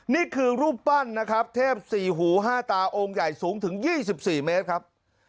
นี่คือรูปปั้นนะครับเทพสี่หูห้าตาองค์ใหญ่สูงถึง๒๔เมตรครับ